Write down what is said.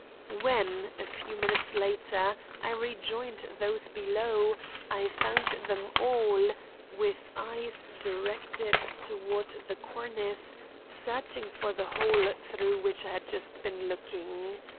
When, a few minutes later, I rejoined those below, I found them all, with eyes directed toward the cornice, searching for the hole through which I had just been looking.